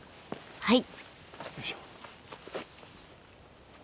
はい。